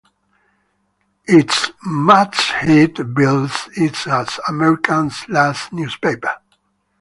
Its masthead bills it as America's last newspaper.